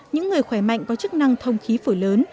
những người khỏe mạnh có chức năng thông khí phổi lớn